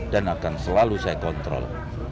akan selalu saya kontrol